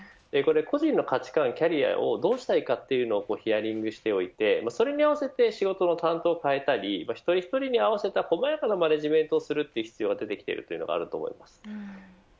個人の価値観やキャリアをどうしたいかというのをヒアリングしてそれに合わせて仕事の担当を替えたり一人一人に合わせた細やかなマネジメントをする必要が出てきています。